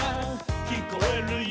「きこえるよ」